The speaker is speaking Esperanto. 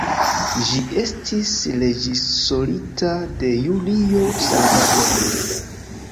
Ĝi estis reĝisorita de Julio Salvador.